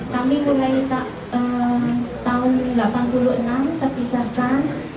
kami mulai tahun seribu sembilan ratus delapan puluh enam terpisahkan